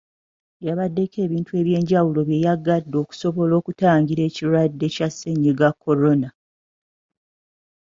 Yabadeko ebintu ebyenjawulo bye yaggadde okusobola okutangira ekirwadde kya ssennyiga Corona.